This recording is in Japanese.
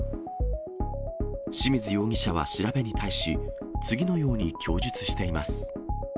清水容疑者は調べに対し、次のように供述しています。